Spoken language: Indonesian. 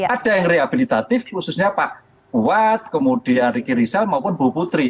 ada yang rehabilitatif khususnya pak kuat kemudian rikir risau maupun bu putri